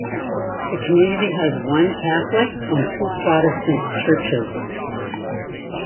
The community has one Catholic and two Protestant churches.